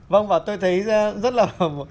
vâng và tôi thấy rất là